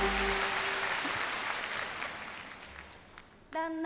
旦那。